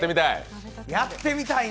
やってみたい？